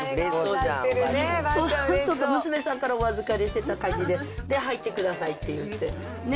ちょっと娘さんからお預してた鍵で、入ってくださいっていって。